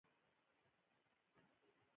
باران د افغانانو د معیشت یوه بنسټیزه سرچینه ده.